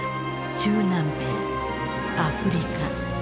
中南米アフリカ。